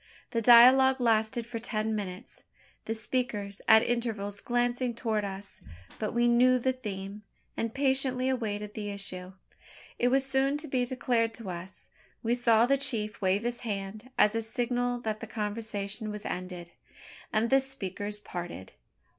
The dialogue lasted for ten minutes, the speakers at intervals glancing towards us; but we knew the theme, and patiently awaited the issue. It was soon to be declared to us. We saw the chief wave his hand as a signal that the conversation was ended; and the speakers parted.